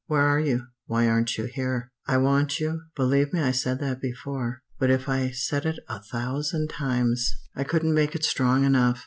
Where are you? Why aren't you here? "I want you. Believe I said that before, but if I said it a thousand times, I couldn't make it strong enough.